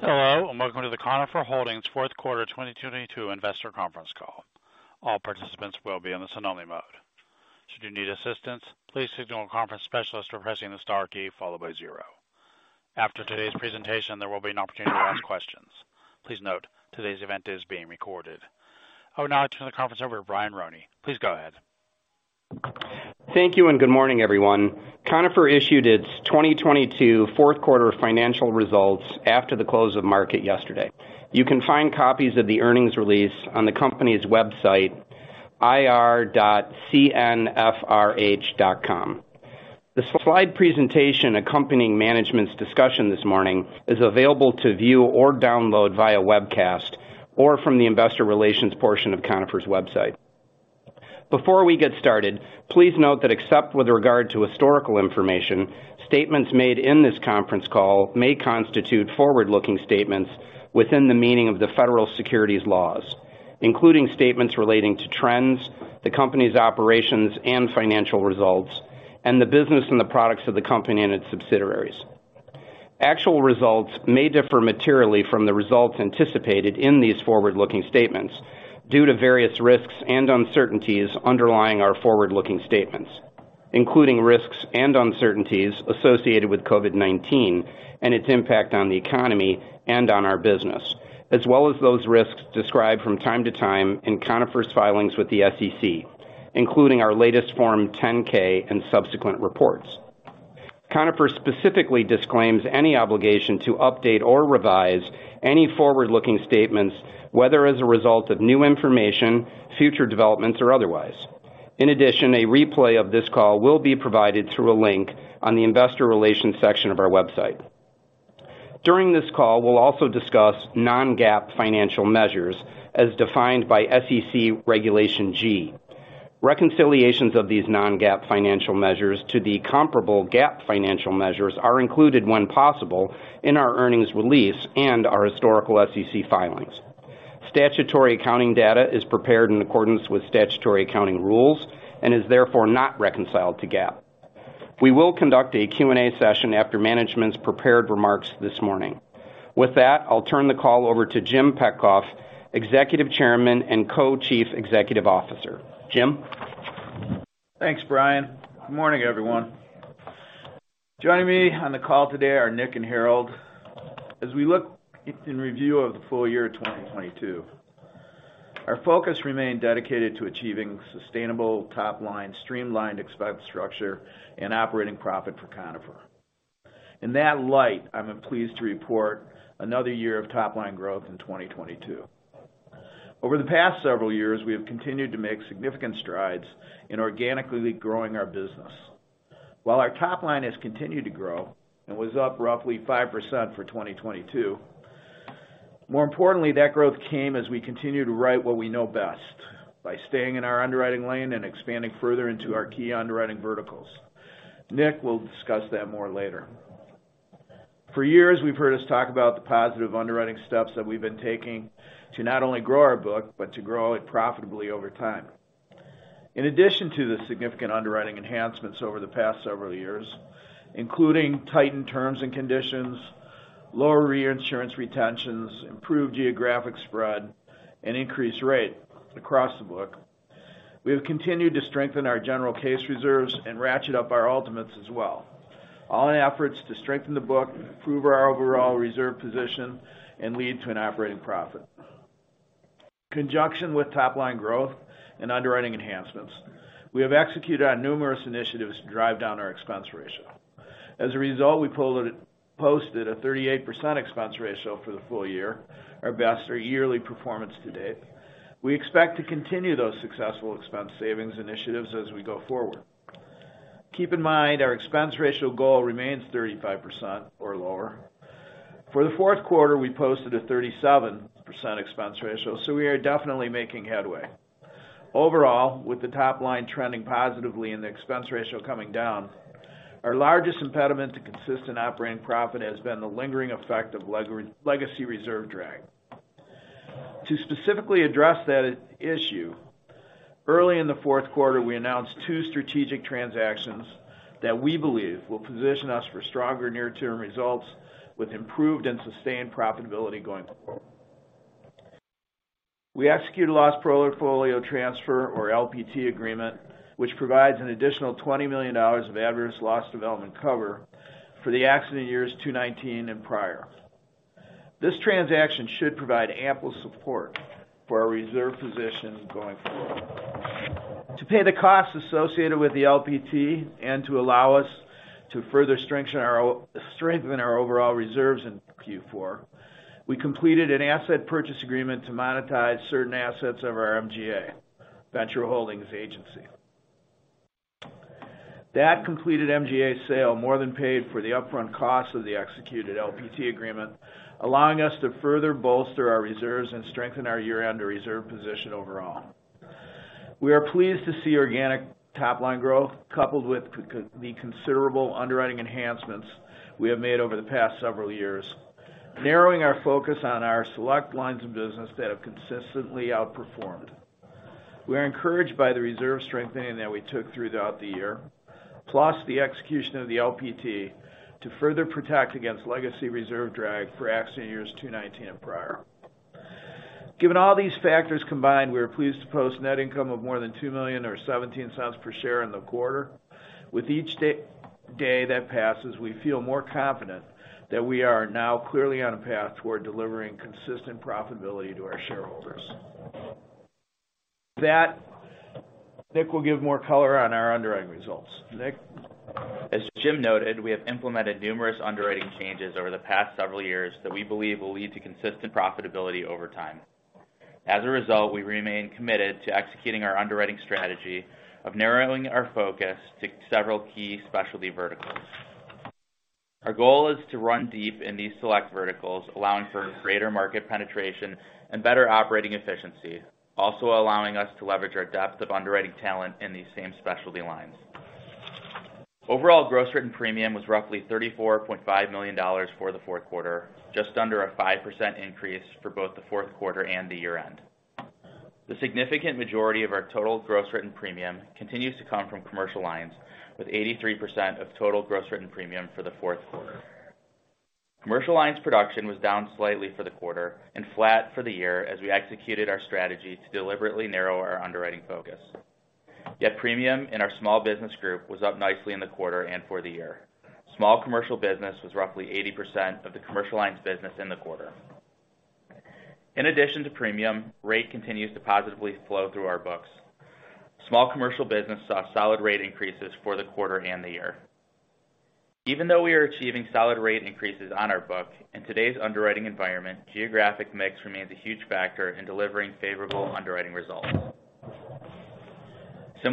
Hello, welcome to the Conifer Holdings's Fourth Quarter 2022 Investor Conference Call. All participants will be in the listen-only mode. Should you need assistance, please signal a conference specialist by pressing the star key followed by 0. After today's presentation, there will be an opportunity to ask questions. Please note, today's event is being recorded. I will now turn the conference over to Brian Roney. Please go ahead. Thank you. Good morning, everyone. Conifer issued its 2022 fourth quarter financial results after the close of market yesterday. You can find copies of the earnings release on the company's website, ir.cnfrh.com. The slide presentation accompanying management's discussion this morning is available to view or download via webcast or from the Investor Relations portion of Conifer's website. Before we get started, please note that except with regard to historical information, statements made in this conference call may constitute forward-looking statements within the meaning of the federal securities laws, including statements relating to trends, the company's operations and financial results, and the business and the products of the company and its subsidiaries. Actual results may differ materially from the results anticipated in these forward-looking statements due to various risks and uncertainties underlying our forward-looking statements, including risks and uncertainties associated with COVID-19 and its impact on the economy and on our business, as well as those risks described from time to time in Conifer's filings with the SEC, including our latest Form 10-K and subsequent reports. Conifer specifically disclaims any obligation to update or revise any forward-looking statements, whether as a result of new information, future developments, or otherwise. In addition, a replay of this call will be provided through a link on the Investor Relations section of our website. During this call, we'll also discuss non-GAAP financial measures as defined by SEC Regulation G. Reconciliations of these non-GAAP financial measures to the comparable GAAP financial measures are included when possible in our earnings release and our historical SEC filings. Statutory accounting data is prepared in accordance with statutory accounting rules and is therefore not reconciled to GAAP. We will conduct a Q&A session after management's prepared remarks this morning. With that, I'll turn the call over to Jim Petcoff, Executive Chairman and Co-Chief Executive Officer. Jim? Thanks, Brian. Good morning, everyone. Joining me on the call today are Nick and Harold. We look in review of the full year 2022, our focus remained dedicated to achieving sustainable top line, streamlined expense structure, and operating profit for Conifer. In that light, I'm pleased to report another year of top-line growth in 2022. Over the past several years, we have continued to make significant strides in organically growing our business. Our top line has continued to grow and was up roughly 5% for 2022, more importantly, that growth came as we continue to write what we know best by staying in our underwriting lane and expanding further into our key underwriting verticals. Nick will discuss that more later. For years, we've heard us talk about the positive underwriting steps that we've been taking to not only grow our book, but to grow it profitably over time. In addition to the significant underwriting enhancements over the past several years, including tightened terms and conditions, lower reinsurance retentions, improved geographic spread, and increased rate across the book, we have continued to strengthen our general case reserves and ratchet up our ultimates as well, all in efforts to strengthen the book, improve our overall reserve position, and lead to an operating profit. Conjunction with top line growth and underwriting enhancements, we have executed on numerous initiatives to drive down our expense ratio. As a result, we posted a 38% expense ratio for the full year, our best yearly performance to date. We expect to continue those successful expense savings initiatives as we go forward. Keep in mind, our expense ratio goal remains 35% or lower. For the fourth quarter, we posted a 37% expense ratio, we are definitely making headway. Overall, with the top line trending positively and the expense ratio coming down, our largest impediment to consistent operating profit has been the lingering effect of legacy reserve drag. To specifically address that issue, early in the fourth quarter, we announced two strategic transactions that we believe will position us for stronger near-term results with improved and sustained profitability going forward. We executed a loss portfolio transfer or LPT agreement, which provides an additional $20 million of adverse development cover for the accident years 2019 and prior. This transaction should provide ample support for our reserve position going forward. To pay the costs associated with the LPT and to allow us to further strengthen our strengthen our overall reserves in Q4, we completed an asset purchase agreement to monetize certain assets of our MGA, Venture Holdings Agency. That completed MGA sale more than paid for the upfront cost of the executed LPT agreement, allowing us to further bolster our reserves and strengthen our year-end reserve position overall. We are pleased to see organic top-line growth coupled with the considerable underwriting enhancements we have made over the past several years, narrowing our focus on our select lines of business that have consistently outperformed. We're encouraged by the reserve strengthening that we took throughout the year, plus the execution of the LPT to further protect against legacy reserve drag for accident years 2019 and prior. Given all these factors combined, we are pleased to post net income of more than $2 million or $0.17 per share in the quarter. With each day that passes, we feel more confident that we are now clearly on a path toward delivering consistent profitability to our shareholders. That, Nick will give more color on our underwriting results. Nick? As Jim noted, we have implemented numerous underwriting changes over the past several years that we believe will lead to consistent profitability over time. As a result, we remain committed to executing our underwriting strategy of narrowing our focus to several key specialty verticals. Our goal is to run deep in these select verticals, allowing for greater market penetration and better operating efficiency, also allowing us to leverage our depth of underwriting talent in these same specialty lines. Overall, gross written premium was roughly $34.5 million for the fourth quarter, just under a 5% increase for both the fourth quarter and the year-end. The significant majority of our Total Gross Written Premium continues to come from commercial lines, with 83% of Total Gross Written Premium for the fourth quarter. Commercial lines production was down slightly for the quarter and flat for the year as we executed our strategy to deliberately narrow our underwriting focus. Premium in our Small Business Programs was up nicely in the quarter and for the year. Small commercial business was roughly 80% of the commercial lines business in the quarter. In addition to premium, rate continues to positively flow through our books. Small commercial business saw solid rate increases for the quarter and the year. Though we are achieving solid rate increases on our book, in today's underwriting environment, geographic mix remains a huge factor in delivering favorable underwriting results.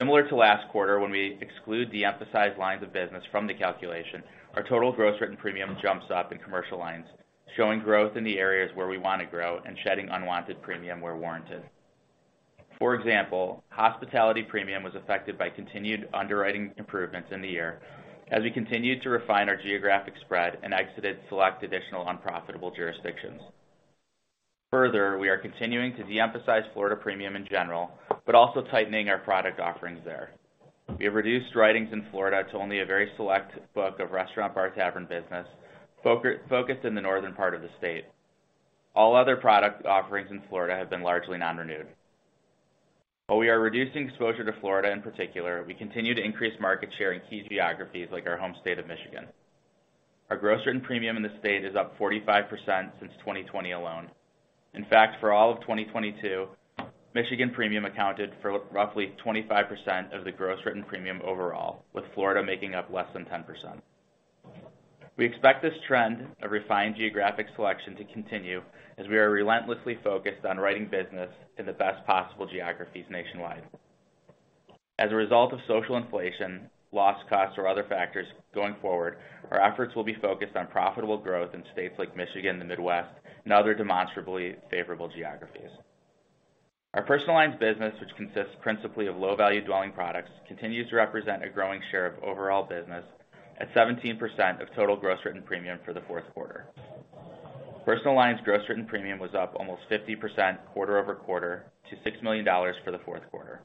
Similar to last quarter, when we exclude the emphasized lines of business from the calculation, our Total Gross Written Premium jumps up in commercial lines, showing growth in the areas where we want to grow and shedding unwanted premium where warranted. For example, hospitality premium was affected by continued underwriting improvements in the year as we continued to refine our geographic spread and exited select additional unprofitable jurisdictions. We are continuing to de-emphasize Florida premium in general, but also tightening our product offerings there. We have reduced writings in Florida to only a very select book of restaurant bar tavern business, focused in the northern part of the state. All other product offerings in Florida have been largely non-renewed. We are reducing exposure to Florida in particular, we continue to increase market share in key geographies like our home state of Michigan. Our gross written premium in the state is up 45% since 2020 alone. For all of 2022, Michigan premium accounted for roughly 25% of the gross written premium overall, with Florida making up less than 10%. We expect this trend of refined geographic selection to continue as we are relentlessly focused on writing business in the best possible geographies nationwide. As a result of social inflation, loss costs, or other factors going forward, our efforts will be focused on profitable growth in states like Michigan, the Midwest, and other demonstrably favorable geographies. Our personal lines business, which consists principally of low-value dwelling products, continues to represent a growing share of overall business at 17% of Total Gross Written Premium for the fourth quarter. Personal lines gross written premium was up almost 50% quarter-over-quarter to $6 million for the fourth quarter.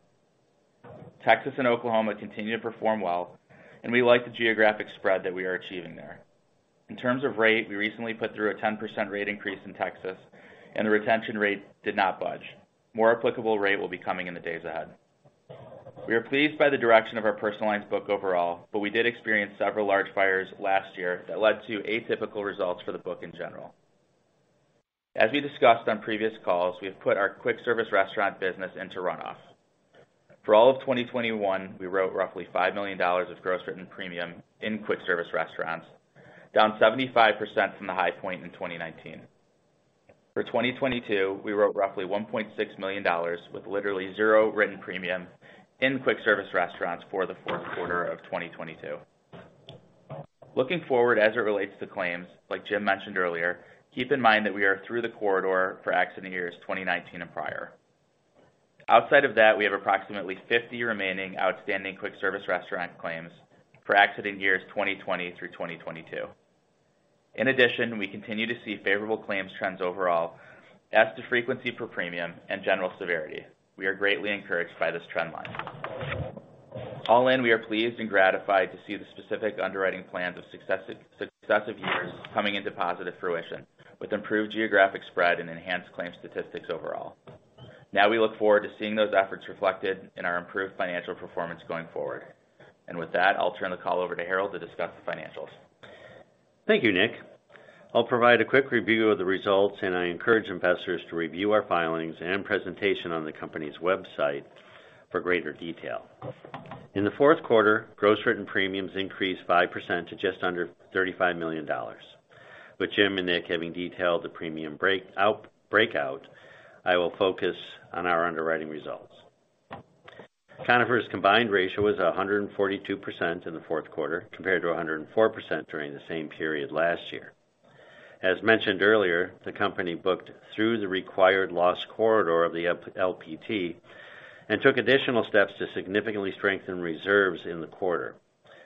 Texas and Oklahoma continue to perform well, and we like the geographic spread that we are achieving there. In terms of rate, we recently put through a 10% rate increase in Texas, and the retention rate did not budge. More applicable rate will be coming in the days ahead. We are pleased by the direction of our personal lines book overall, but we did experience several large fires last year that led to atypical results for the book in general. As we discussed on previous calls, we have put our quick service restaurant business into run-off. For all of 2021, we wrote roughly $5 million of gross written premium in quick service restaurants, down 75% from the high point in 2019. For 2022, we wrote roughly $1.6 million with literally zero written premium in quick service restaurants for the fourth quarter of 2022. Looking forward as it relates to claims, like Jim mentioned earlier, keep in mind that we are through the corridor for accident years 2019 and prior. Outside of that, we have approximately 50 remaining outstanding quick service restaurant claims for accident years 2020 through 2022. We continue to see favorable claims trends overall as to frequency per premium and general severity. We are greatly encouraged by this trend line. All in, we are pleased and gratified to see the specific underwriting plans of successive years coming into positive fruition with improved geographic spread and enhanced claims statistics overall. We look forward to seeing those efforts reflected in our improved financial performance going forward. With that, I'll turn the call over to Harold to discuss the financials. Thank you, Nick. I'll provide a quick review of the results. I encourage investors to review our filings and presentation on the company's website for greater detail. In the fourth quarter, gross written premiums increased 5% to just under $35 million. With Jim and Nick having detailed the premium breakout, I will focus on our underwriting results. Conifer's combined ratio was 142% in the fourth quarter, compared to 104% during the same period last year. As mentioned earlier, the company booked through the required loss corridor of the LPT and took additional steps to significantly strengthen reserves in the quarter.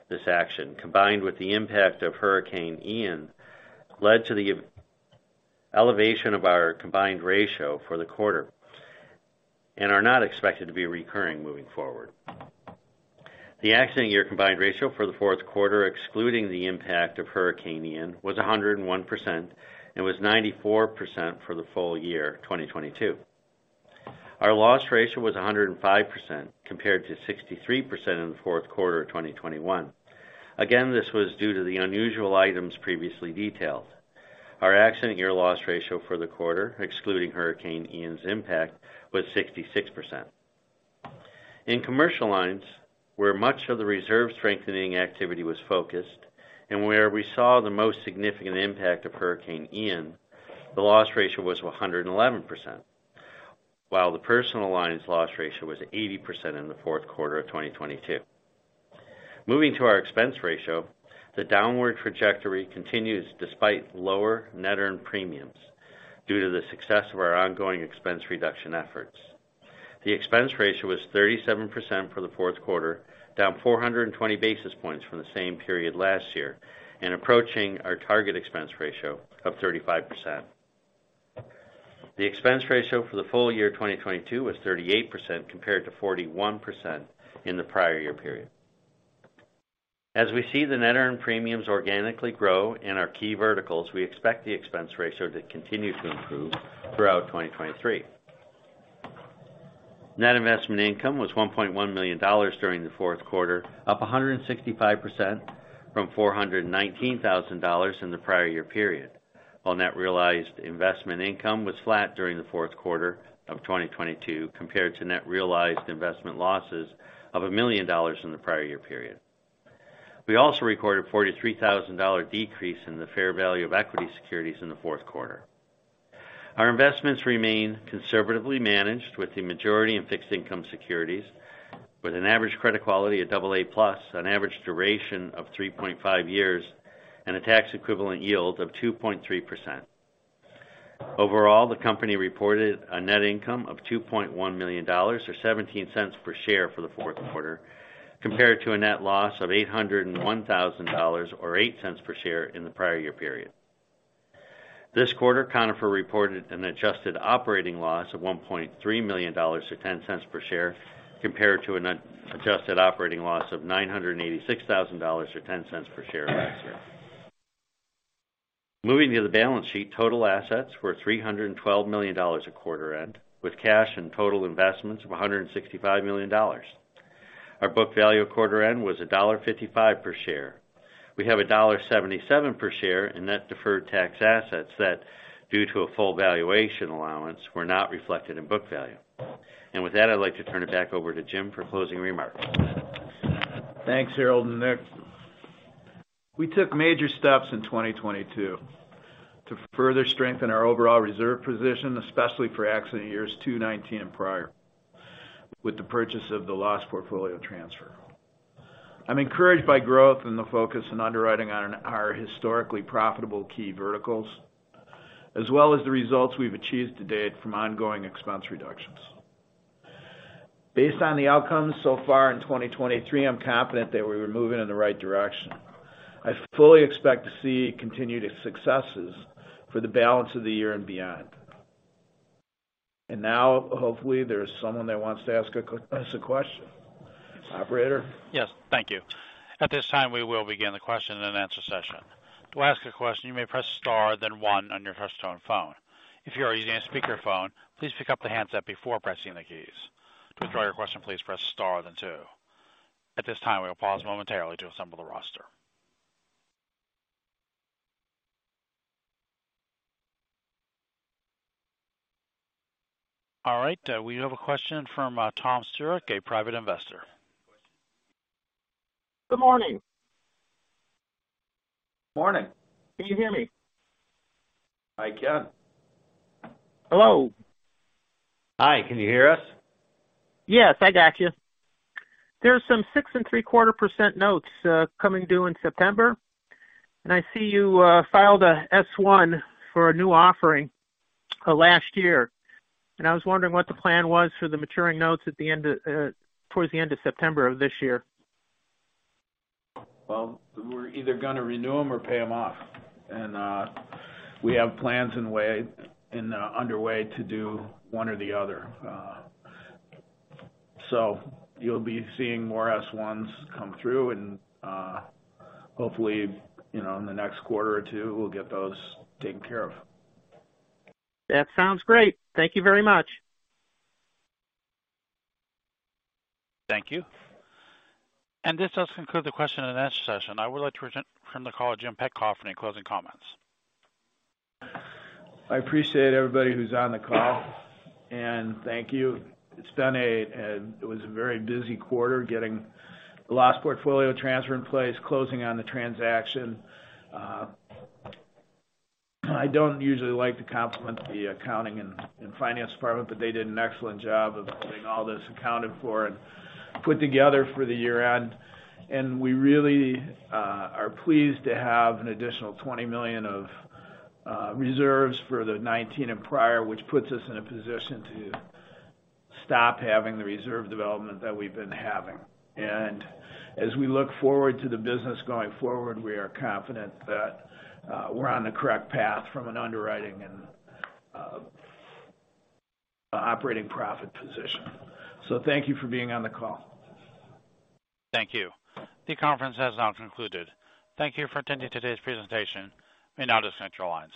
This action, combined with the impact of Hurricane Ian, led to the elevation of our combined ratio for the quarter and are not expected to be recurring moving forward. The accident year combined ratio for the fourth quarter, excluding the impact of Hurricane Ian, was 101% and was 94% for the full year 2022. Our loss ratio was 105% compared to 63% in the fourth quarter of 2021. Again, this was due to the unusual items previously detailed. Our accident year loss ratio for the quarter, excluding Hurricane Ian's impact, was 66%. In commercial lines, where much of the reserve strengthening activity was focused and where we saw the most significant impact of Hurricane Ian, the loss ratio was 111%, while the personal lines loss ratio was 80% in the fourth quarter of 2022. Moving to our expense ratio, the downward trajectory continues despite lower net earned premiums due to the success of our ongoing expense reduction efforts. The expense ratio was 37% for the fourth quarter, down 420 basis points from the same period last year and approaching our target expense ratio of 35%. The expense ratio for the full year 2022 was 38% compared to 41% in the prior year period. As we see the net earned premiums organically grow in our key verticals, we expect the expense ratio to continue to improve throughout 2023. Net investment income was $1.1 million during the fourth quarter, up 165% from $419,000 in the prior year period on net realized investment income was flat during the fourth quarter of 2022 compared to net realized investment losses of $1 million in the prior year period. We also recorded $43,000 decrease in the fair value of equity securities in the fourth quarter. Our investments remain conservatively managed with the majority in fixed income securities, with an average credit quality of AA+, an average duration of 3.5 years, and a tax equivalent yield of 2.3%. Overall, the company reported a net income of $2.1 million, or $0.17 per share for the fourth quarter, compared to a net loss of $801,000, or $0.08 per share in the prior year period. This quarter, Conifer reported an adjusted operating loss of $1.3 million, or $0.10 per share, compared to an adjusted operating loss of $986,000, or $0.10 per share last year. Moving to the balance sheet, total assets were $312 million a quarter end, with cash and total investments of $165 million. Our book value at quarter end was $1.55 per share. We have $1.77 per share in net deferred tax assets that, due to a full valuation allowance, were not reflected in book value. With that, I'd like to turn it back over to Jim for closing remarks. Thanks, Harold and Nick. We took major steps in 2022 to further strengthen our overall reserve position, especially for accident years 2019 and prior, with the purchase of the loss portfolio transfer. I'm encouraged by growth and the focus in underwriting on our historically profitable key verticals, as well as the results we've achieved to date from ongoing expense reductions. Based on the outcomes so far in 2023, I'm confident that we're moving in the right direction. I fully expect to see continued successes for the balance of the year and beyond. Now, hopefully, there's someone that wants to ask us a question. Operator? Yes, thank you. At this time, we will begin the question and answer session. To ask a question, you may press star then 1 on your touch-tone phone. If you are using a speakerphone, please pick up the handset before pressing the keys. To withdraw your question, please press star then 2. At this time, we will pause momentarily to assemble the roster. All right, we have a question from Tom Stewart, a private investor. Good morning. Morning. Can you hear me? I can. Hello. Hi. Can you hear us? Yes, I got you. There's some 6 and three-quarter % notes, coming due in September, I see you, filed a S-1 for a new offering, last year. I was wondering what the plan was for the maturing notes at the end of, towards the end of September of this year. Well, we're either gonna renew them or pay them off. We have plans underway to do one or the other. You'll be seeing more S-1s come through and hopefully, you know, in the next quarter or two, we'll get those taken care of. That sounds great. Thank you very much. Thank you. This does conclude the question and answer session. I would like to return the call to Jim Petcoff for any closing comments. I appreciate everybody who's on the call. Thank you. It's been a very busy quarter getting the loss portfolio transfer in place, closing on the transaction. I don't usually like to compliment the accounting and finance department. They did an excellent job of holding all this accounted for and put together for the year-end. We really are pleased to have an additional $20 million of reserves for the 2019 and prior, which puts us in a position to stop having the reserve development that we've been having. As we look forward to the business going forward, we are confident that we're on the correct path from an underwriting and operating profit position. Thank you for being on the call. Thank you. The conference has now concluded. Thank you for attending today's presentation. You may now disconnect your lines.